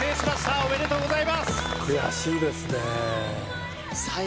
おめでとうございます。